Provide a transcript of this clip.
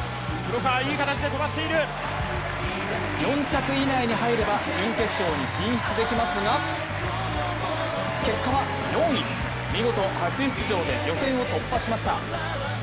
４着以内に入れば準決勝に進出できますが結果は４位、見事初出場で予選を突破しました。